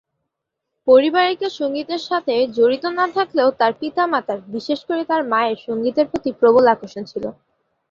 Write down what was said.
পরিবারের কেউ সঙ্গীতের সাথে জড়িত না থাকলেও তার পিতামাতার, বিশেষ করে তার মায়ের সঙ্গীতের প্রতি প্রবল আকর্ষণ ছিল।